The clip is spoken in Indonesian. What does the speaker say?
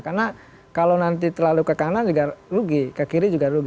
karena kalau nanti terlalu ke kanan juga rugi ke kiri juga rugi